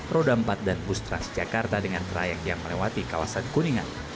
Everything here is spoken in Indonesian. roda empat dan bus transjakarta dengan trayek yang melewati kawasan kuningan